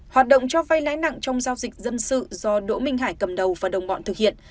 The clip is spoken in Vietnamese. hoạt động cho vay lãi nặng trong giao dịch dân sự do đỗ minh hải cầm đầu và đồng bọn thực hiện